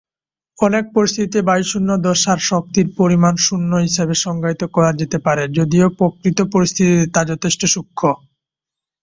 অনেক পরিস্থিতিতে বায়ুশূন্য দশার শক্তির পরিমান শূন্য হিসাবে সংজ্ঞায়িত করা যেতে পারে, যদিও প্রকৃত পরিস্থিতিতে তা যথেষ্ট সূক্ষ্ম।